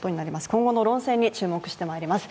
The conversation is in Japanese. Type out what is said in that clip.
今後の論戦に注目してまいります。